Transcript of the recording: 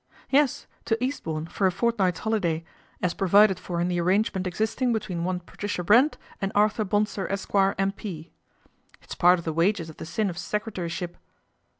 " Yes, to Eastbourne for a fortnight's holiday as provided for in the arrangement existing between one Patricia Brent and Arthur Bonsor, Esquire, M.P. It's part of the wages of the sin of secretaryship."